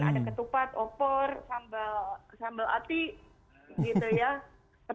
ada ketupat opor sambal ati gitu ya